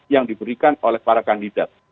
yang diberikan oleh para kandidat